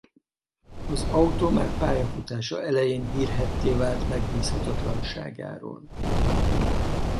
Az autó már pályafutása elején hírhedtté vált megbízhatatlanságáról.